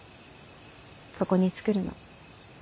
ここに作るの。